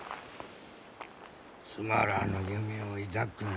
つまらぬ夢を抱くな。